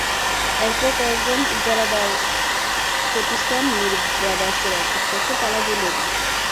এরপর কয়েকজন ইজারাদার প্রতিষ্ঠান মীর ব্রাদার্সের অফিস কক্ষে তালা ঝুলিয়ে দেন।